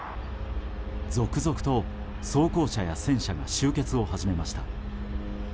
続々と装甲車や戦車が集結を始めました。